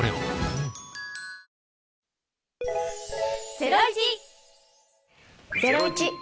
ゼロイチ！